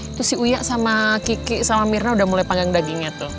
itu si uya sama kiki sama mirna udah mulai panggang dagingnya tuh